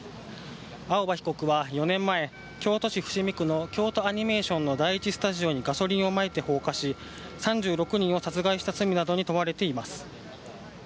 青葉被告は４年前、京都市伏見区の京都アニメーションの第１スタジオにガソリンをまいて放火し、３６人を殺害した罪などに問われています。